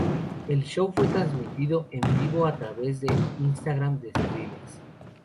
El show fue transmitido en vivo a traves del Instagram de Skrillex.